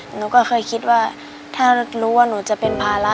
หนูก็เคยคิดว่าถ้ารู้ว่าหนูจะเป็นภาระ